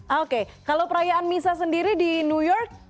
oke kalau perayaan misa sendiri di new york